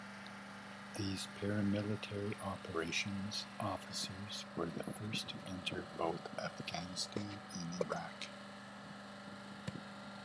These Paramilitary Operations Officers were the first to enter both Afghanistan and Iraq.